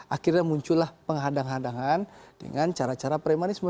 akhirnya muncullah penghadang hadangan dengan cara cara premanisme